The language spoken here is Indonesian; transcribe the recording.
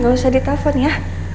gak usah ditelepon ya